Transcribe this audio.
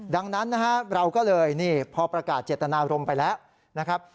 ดังนั้นนะฮะเราก็เลยนี่พอประกาศเจตนารมณ์ไปแล้วนะครับ